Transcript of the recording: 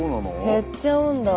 減っちゃうんだ！